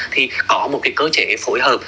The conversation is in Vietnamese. thì có một cái cơ chế phối hợp